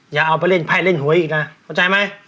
อย่าเอาไปเล่นไพ่เล่นหวยอีกนะเข้าใจไหม